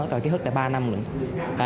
rồi ký thức đã ba năm rồi